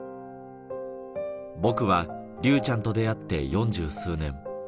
僕は竜ちゃんと出会って四十数年。